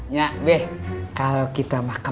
nyak beh kalo kita makan